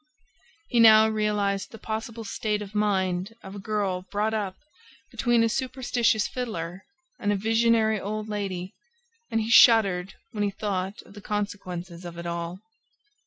He now realized the possible state of mind of a girl brought up between a superstitious fiddler and a visionary old lady and he shuddered when he thought of the consequences of it all.